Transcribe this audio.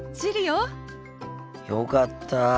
よかった。